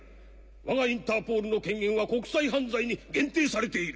わがインターポールの権限は国際犯罪に限定されている。